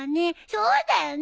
そうだよね！